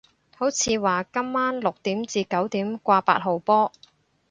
好似話今晚六點至九點掛八號波